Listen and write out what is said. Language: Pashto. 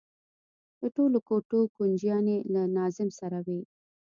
د ټولو کوټو کونجيانې له ناظم سره وي.